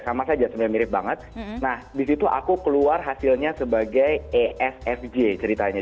sama saja mirip banget nah di situ aku keluar hasilnya sebagai esfj ceritanya